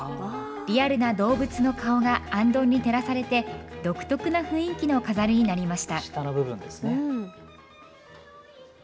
リアルな動物の顔があんどんに照らされて独特な雰囲気の飾りになりました。